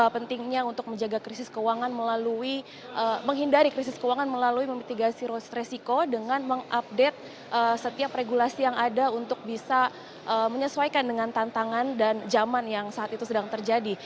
pentingnya untuk menjaga krisis keuangan melalui menghindari krisis keuangan melalui memitigasi resiko dengan mengupdate setiap regulasi yang ada untuk bisa menyesuaikan dengan tantangan dan zaman yang saat itu sedang terjadi